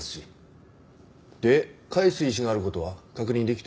で返す意思がある事は確認できた？